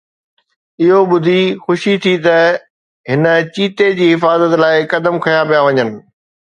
اهو ٻڌي خوشي ٿي ته هن چيتي جي حفاظت لاءِ قدم کنيا پيا وڃن